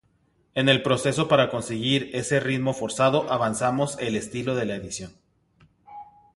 En el proceso para conseguir ese ritmo forzado, avanzamos el estilo de la edición’.